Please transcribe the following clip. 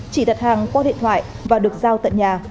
chỉ đặt hàng qua điện thoại và được giao tận nhà